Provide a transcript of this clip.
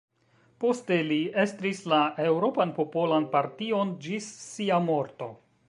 Poste li estris la Eŭropan Popolan Partion ĝis sia morto.